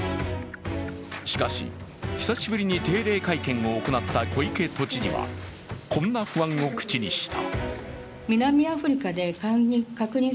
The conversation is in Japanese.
しかし、久しぶりに定例会見を行った小池都知事はこんな不安を口にした。